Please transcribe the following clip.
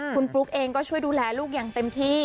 คุณฟลุ๊กเองก็ช่วยดูแลลูกอย่างเต็มที่